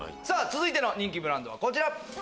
続いての人気ブランドはこちら。